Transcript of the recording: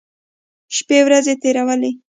شپې ورځې تېرولې.